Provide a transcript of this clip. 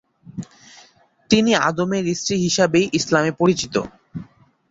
তিনি আদমের স্ত্রী হিসাবেই ইসলামে পরিচিত।